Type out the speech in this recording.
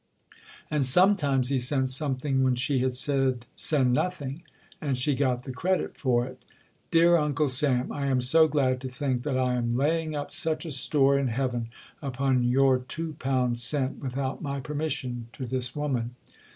And sometimes he sent something when she had said send nothing, and she got the credit for it: "Dear Uncle Sam, I am so glad to think that I am laying up such a store in heaven upon your £2 sent without my permission to this woman."